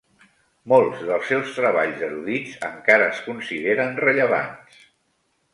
Molts dels seus treballs erudits encara es consideren rellevants.